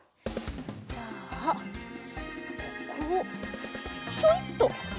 じゃあここをひょいっと。